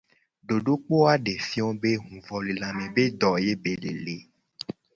Dodokpo a de fio be huvolelame be do ye be le le.